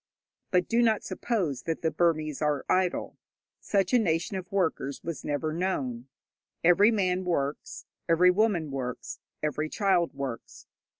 But do not suppose that the Burmese are idle. Such a nation of workers was never known. Every man works, every woman works, every child works.